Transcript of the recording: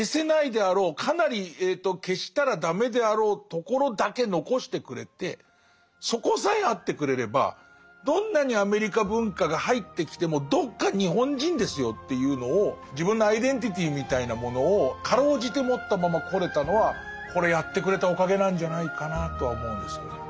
結果その戦後を生きさせてもらった自分からしてみるとそこさえあってくれればどんなにアメリカ文化が入ってきてもどっか日本人ですよというのを自分のアイデンティティーみたいなものをかろうじて持ったままこれたのはこれやってくれたおかげなんじゃないかなとは思うんですけどね。